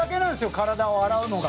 体を洗うのが。